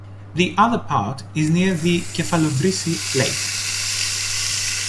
The other part is near the Kefalovrysi Lake.